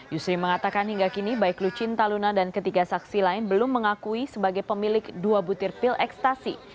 yusri mengatakan hingga kini baik lucinta luna dan ketiga saksi lain belum mengakui sebagai pemilik dua butir pil ekstasi